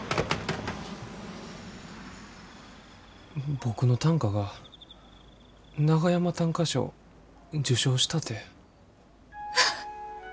僕の短歌が長山短歌賞受賞したて。